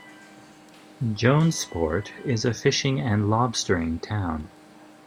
Jonesport is a fishing and lobstering town.